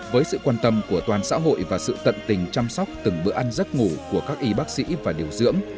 với sự quan tâm của toàn xã hội và sự tận tình chăm sóc từng bữa ăn giấc ngủ của các y bác sĩ và điều dưỡng